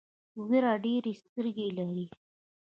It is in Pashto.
وېره ډېرې سترګې لري.